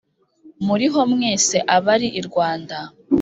muriho mwese abari i rwanda